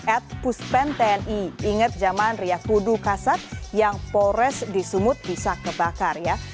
at puspen tni ingat zaman riyakudu kasat yang polres di sumut bisa kebakar ya